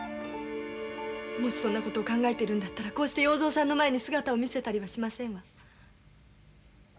もしそんなことを考えてるんだったらこうして要造さんの前に姿を見せたりはしませんわ。